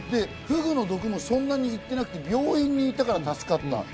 フグの毒もそんなにいってなくて、病院にいたから助かった。